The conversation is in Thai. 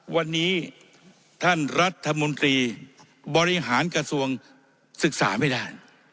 วันนี้ท่านรัฐมนตรีบริหารกระทรวงศึกษาไม่ได้